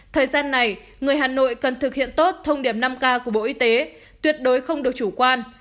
thời gian này người hà nội cần thực hiện tốt thông điệp năm k của bộ y tế tuyệt đối không được chủ quan